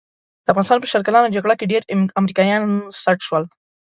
د افغانستان په شل کلنه جګړه کې ډېر امریکایان سټ شول.